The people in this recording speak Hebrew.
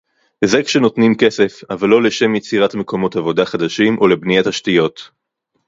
זה כשנותנים כסף אבל לא לשם יצירת מקומות עבודה חדשים או לבניית תשתיות